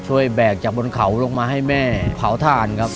แบกจากบนเขาลงมาให้แม่เผาถ่านครับ